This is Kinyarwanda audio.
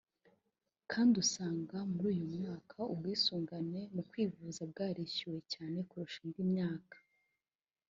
kandi usanga muri uyu mwaka ubwisungane mu kwivuza bwarishyuwe cyane kurusha indi myaka